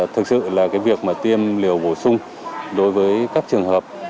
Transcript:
thực sự là cái việc mà tiêm liều bổ sung đối với các trường hợp